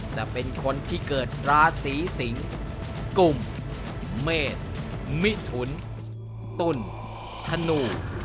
จะเป็นคนที่เกิดราศีสิงกลุ่มเมษมิถุนตุ้นธนู